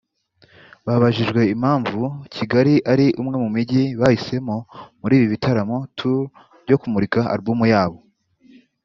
Babajijwe impamvu Kigali ari umwe mu mijyi bahisemo muri ibi bitaramo(tour) byo kumurika album yabo